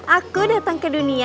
aku datang ke dunia